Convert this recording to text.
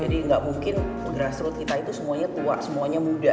jadi nggak mungkin grassroot kita itu semuanya tua semuanya muda